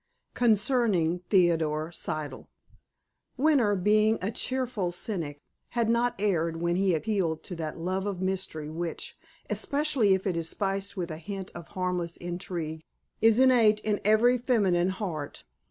Concerning Theodore Siddle Winter, being a cheerful cynic, had not erred when he appealed to that love of mystery which, especially if it is spiced with a hint of harmless intrigue, is innate in every feminine heart.